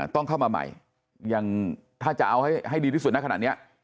ต้องเข้ามาใหม่ยังถ้าจะเอาให้ดีที่สุดนะขนาดนี้